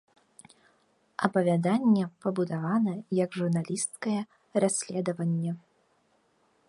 Апавяданне пабудавана як журналісцкае расследаванне.